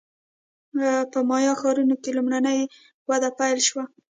په مایا ښارونو کې لومړنۍ وده پیل شوه